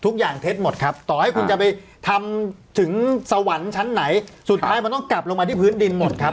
เท็จหมดครับต่อให้คุณจะไปทำถึงสวรรค์ชั้นไหนสุดท้ายมันต้องกลับลงมาที่พื้นดินหมดครับ